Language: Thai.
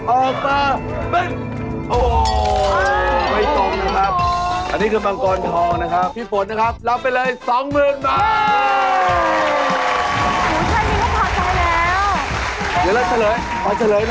ออกมาป้องป้องป้อง